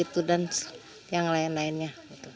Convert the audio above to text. alat alat mandi dan yang lain lainnya